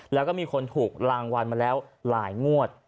แล้วก็มีคนถูกรางวัลมาแล้วหลายงวด